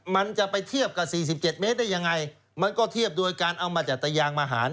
มันจะไปเทียบกับ๔๗เมตรได้ยังไงมันก็เทียบโดยการเอามาจากตะยางมาหาร